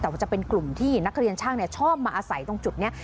แต่ว่าจะเป็นกลุ่มที่นักเรียนช่างชอบมาอาศัยตรงจุดนี้